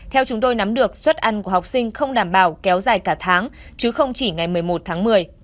theo chúng tôi nắm được suất ăn của học sinh không đảm bảo kéo dài cả tháng chứ không chỉ ngày một mươi một tháng một mươi